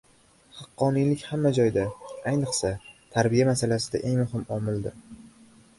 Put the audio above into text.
Haqqoniylik hamma joyda, ayniqsa, tarbiya masalasida eng muhim omildir.